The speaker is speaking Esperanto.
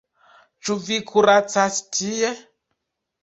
Ĉu vi kuracas tie?